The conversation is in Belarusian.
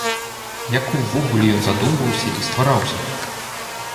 Як увогуле ён задумваўся і ствараўся?